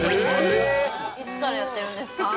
いつからやってるんですか。